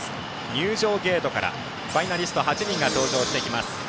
入場ゲートからファイナリスト８人が入場してきます。